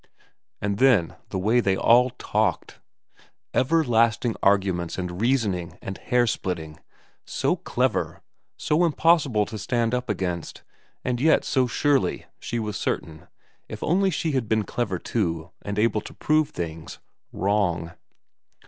And then the way they all talked ! Everlasting argu ments and reasoning and hair splitting ; so clever, so impossible to stand up against, and yet so surely, she was certain, if only she had been clever too and able to prove things, wrong.